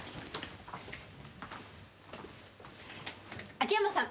秋山さん